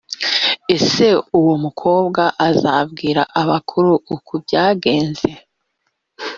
se w’uwo mukobwa azabwire abakuru uk byagenze.